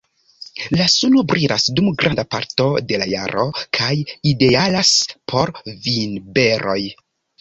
La suno brilas dum granda parto de la jaro kaj idealas por vinberoj.